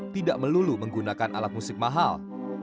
tidak melulu menggunakan alat musik mahal